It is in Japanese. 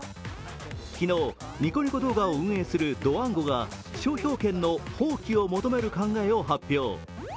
昨日、ニコニコ動画を運営するドワンゴが商標権の放棄を求める考えを発表。